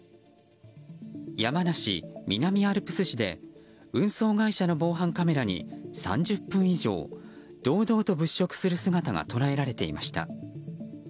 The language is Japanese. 山梨・南アルプス市で運送会社の防犯カメラに３０分以上、堂々と物色する姿が捉えられていました。